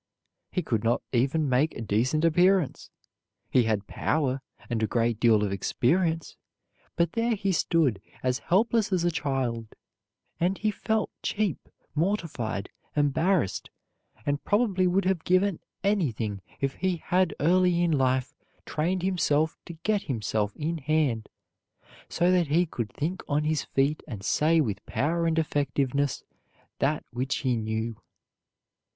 He could not even make a decent appearance. He had power and a great deal of experience, but there he stood, as helpless as a child, and he felt cheap, mortified, embarrassed, and probably would have given anything if he had early in life trained himself to get himself in hand so that he could think on his feet and say with power and effectiveness that which he knew.